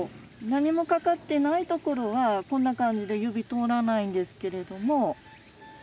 何もかかってないところはこんな感じで指通らないんですけれども。